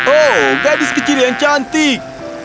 oh gadis kecil yang cantik